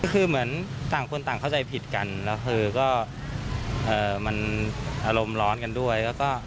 คือเหมือนต่างคนต่างเข้าใจผิดกันแล้วคือก็มันอารมณ์ร้อนกันด้วยแล้วก็